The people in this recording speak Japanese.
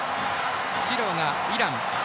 白がイラン。